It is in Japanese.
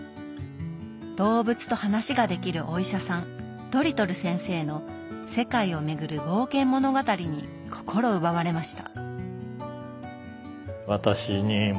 動物と話ができるお医者さんドリトル先生の世界を巡る冒険物語に心奪われました。